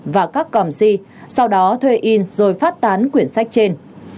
và các còm si sau đó thuê in rồi phát tán quyển sách trên